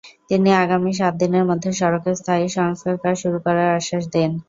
তিনি আগামী সাত দিনের মধ্যে সড়কে স্থায়ী সংস্কারকাজ শুরু করার আশ্বাস দেন।